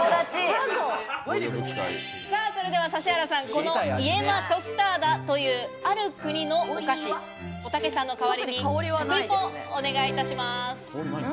それでは指原さん、このイエマトスターダという、ある国のお菓子、おたけさんの代わりに、食リポをお願いいたします。